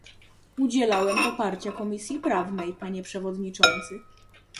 Udzielałem poparcia Komisji Prawnej, panie przewodniczący